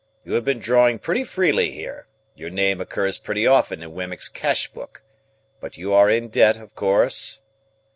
You have been drawing pretty freely here; your name occurs pretty often in Wemmick's cash book; but you are in debt, of course?"